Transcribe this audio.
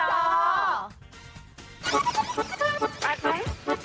ไป